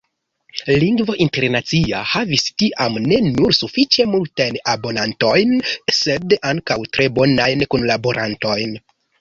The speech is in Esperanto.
"Lingvo Internacia" havis tiam ne nur sufiĉe multajn abonantojn, sed ankaŭ tre bonajn kunlaborantojn.